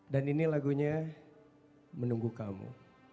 dan ini lagunya menunggu kamu